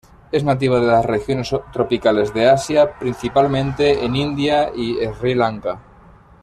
Es nativa de las regiones tropicales de Asia, principalmente en India y Sri Lanka.